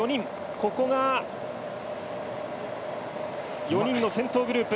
ここが４人の先頭グループ。